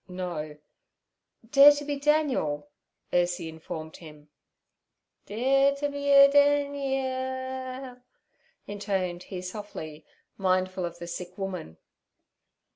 No; "Dare to be a Daniel,"' Ursie informed him. '"Dare t' be er Den e i al,"' intoned he softly, mindful of the sick woman.